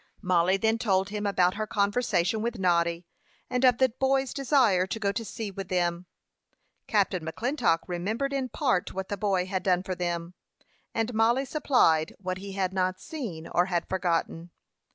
Mollie then told him about her conversation with Noddy, and of the boy's desire to go to sea with them. Captain McClintock remembered in part what the boy had done for them; and Mollie supplied what he had not seen, or had forgotten.